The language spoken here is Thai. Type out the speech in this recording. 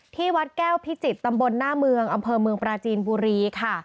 ที่วัดแก้วพิจิตรตำบลหน้าเมืองอำเภอเมืองปราจีนบุรีค่ะ